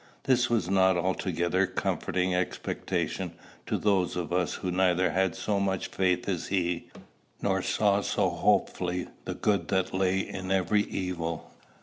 This was not an altogether comforting expectation to those of us who neither had so much faith as he, nor saw so hopefully the good that lay in every evil.